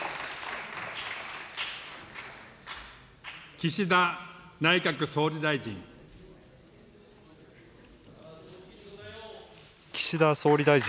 岸田内閣総理大臣。